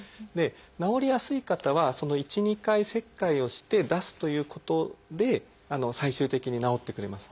治りやすい方は１２回切開をして出すということで最終的に治ってくれます。